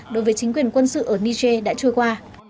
đối với chính quyền quân sự ở niger đã trôi qua